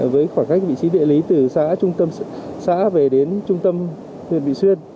với khoảng cách vị trí địa lý từ xã trung tâm xã về đến trung tâm huyện vị xuyên